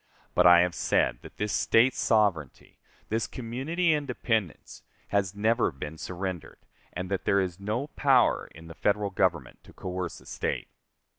But I have said that this State sovereignty this community independence has never been surrendered, and that there is no power in the Federal Government to coerce a State.